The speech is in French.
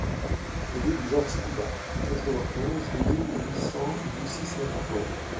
Rue Georges Coubard, quatre-vingt-onze mille huit cents Boussy-Saint-Antoine